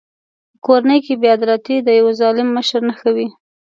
په کورنۍ کې بې عدالتي د یوه ظالم مشر نښه وي.